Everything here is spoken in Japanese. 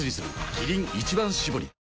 キリン「一番搾り」